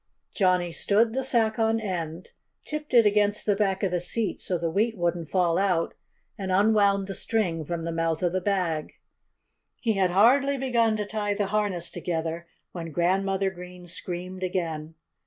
Johnnie stood the sack on end, tipped it against the back of the seat, so the wheat wouldn't fall out, and unwound the string from the mouth of the bag. He had hardly begun to tie the harness together when Grandmother Green screamed again.